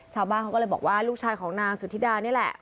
ชาวบ้านเขาก็เลยบอกว่าลูกชายของนางสุธิดานี่แหละ